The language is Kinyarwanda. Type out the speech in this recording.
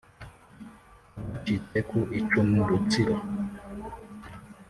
Abacitse ku icumu rutsiro